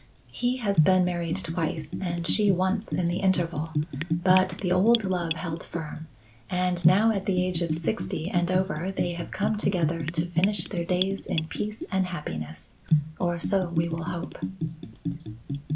He has been married twice and she once in the interval; but the old love held firm and now at the age of sixty and over they have come together to finish their days in peace and happiness. Or so we will hope."